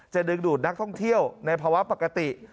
ดึงดูดนักท่องเที่ยวในภาวะปกติ